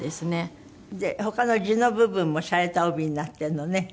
他の地の部分もシャレた帯になってるのね。